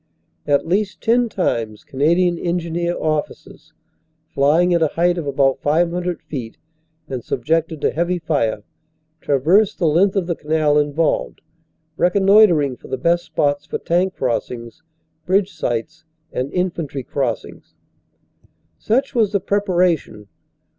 At least ten times Canadian Engineer officers, flying at a height of about 500 feet, and subjected to heavy fire, traversed the length of the canal involved, reconnoitering for the best spots for tank crossings, bridge sites and infantry crossings. Such was the preparation.